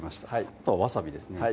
あとはわさびですね